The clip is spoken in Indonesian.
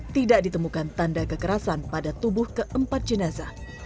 tidak ditemukan tanda kekerasan pada tubuh keempat jenazah